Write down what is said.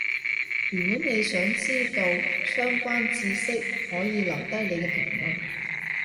如果你想知到相關智識，可以留低你嘅評論